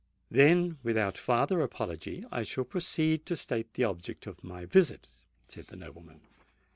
"Then, without farther apology, I shall proceed to state the object of my visit," said the nobleman.